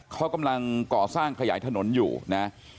เขากำลังก่อสร้างขยายถนนอยู่นะ